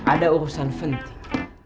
ada urusan penting